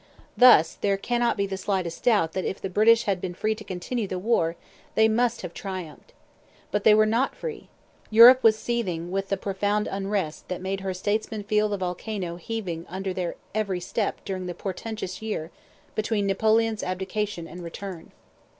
Thus there cannot be the slightest doubt that if the British had been free to continue the war they must have triumphed. But they were not free. Europe was seething with the profound unrest that made her statesmen feel the volcano heaving under their every step during the portentous year between Napoleon's abdication and return.